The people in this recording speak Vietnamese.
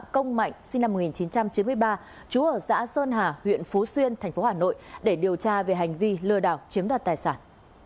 công mạnh sinh năm một nghìn chín trăm chín mươi ba trú ở xã sơn hà huyện phú xuyên thành phố hà nội để điều tra về hành vi lừa đảo chiếm đoạt tài sản